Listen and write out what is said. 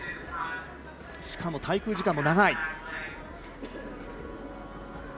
しかも滞空時間も長い。